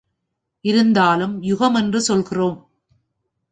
இருந்தாலும் யுகமென்று சொல்கிறோம்.